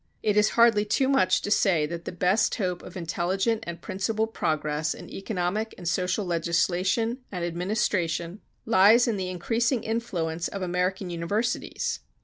It is hardly too much to say that the best hope of intelligent and principled progress in economic and social legislation and administration lies in the increasing influence of American universities.